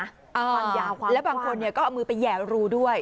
ความยาวความและบางคนเนี่ยก็เอามือไปแห่รูด้วย